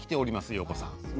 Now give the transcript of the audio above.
よーこさん。